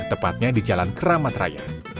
tepatnya di jalan keramat raya